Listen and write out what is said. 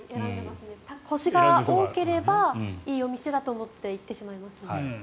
星が多ければいいお店だと思って行ってしまいますね。